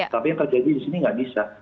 tapi yang terjadi di sini nggak bisa